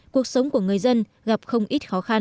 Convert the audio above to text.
cuộc sống của người dân gặp không ít khó khăn